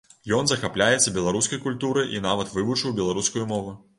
Ён захапляецца беларускай культурай і нават вывучыў беларускую мову.